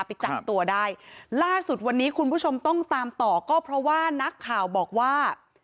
ไปจับตัวได้ล่าสุดวันนี้คุณผู้ชมต้องตามต่อก็เพราะว่านักข่าวบอกว่า